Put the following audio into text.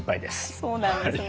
そうなんですね。